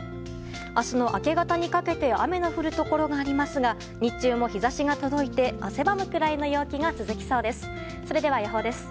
明日の明け方にかけて雨の降るところがありますが日中も日差しが届いて汗ばむくらいの陽気が続きそうです。